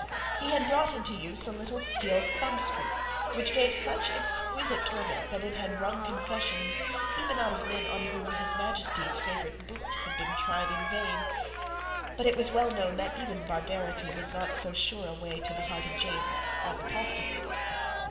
He had brought into use a little steel thumbscrew which gave such exquisite torment that it had wrung confessions even out of men on whom His Majesty's favourite boot had been tried in vain. But it was well known that even barbarity was not so sure a way to the heart of James as apostasy.